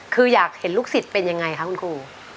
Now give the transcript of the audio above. คืออยากเห็นลูกศิษย์เป็นยังไงคะคุณครู